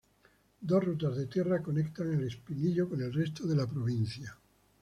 Dos rutas de tierra conectan a El Espinillo con el resto de la provincia.